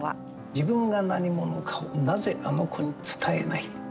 自分が何者かなぜ、あの子に伝えない。